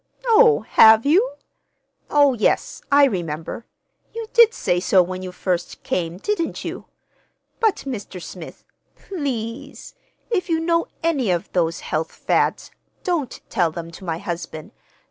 "Oh, have you? Oh, yes, I remember. You did say so when you first came, didn't you? But, Mr. Smith please, if you know any of those health fads, don't tell them to my husband.